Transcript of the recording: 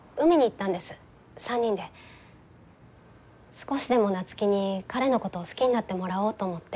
少しでも夏樹に彼のことを好きになってもらおうと思って。